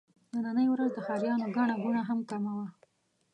نننۍ ورځ د ښاريانو ګڼه ګوڼه هم کمه وه.